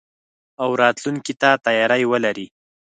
او راتلونکي ته تياری ولري.